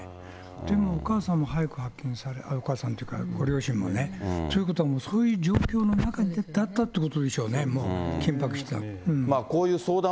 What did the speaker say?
でもお母さんも早く発見され、お母さんっていうかね、ご両親もね、早く発見されて、ということは、そういう状況の中だったということでしょうね、緊迫した。